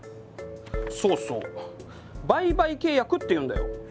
そうそう「売買契約」っていうんだよ。